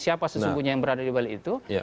siapa sesungguhnya yang berada di balik itu